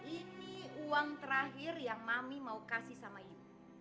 ini uang terakhir yang mami mau kasih sama ibu